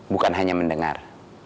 jangan hanya mendengar